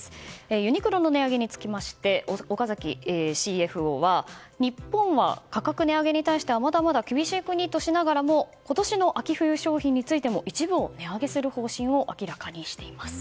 ユニクロの値上げにつきまして岡崎ＣＦＯは日本は価格値上げに対してはまだまだ厳しい国としながらも今年の秋冬商品についても一部を値上げする方針を明らかにしています。